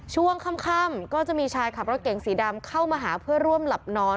ช่วงค่ำก็จะมีชายขับรถเก่งสีดำเข้ามาหาเพื่อร่วมหลับนอน